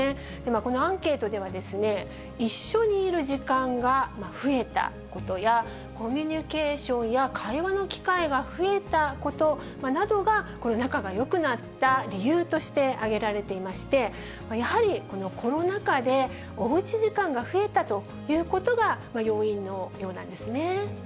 このアンケートでは、一緒にいる時間が増えたことや、コミュニケーションや会話の機会が増えたことなどが、仲がよくなった理由として挙げられていまして、やはり、コロナ禍でおうち時間が増えたということが要因のようなんですね。